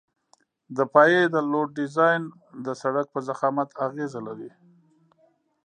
د پایې د لوډ ډیزاین د سرک په ضخامت اغیزه لري